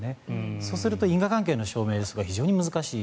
そうすると因果関係の証明とか非常に難しい。